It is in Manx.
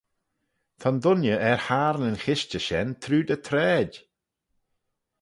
Ta'n dooinney er hayrn yn chishtey shen trooid y traid!